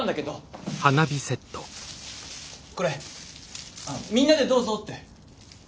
これみんなでどうぞって。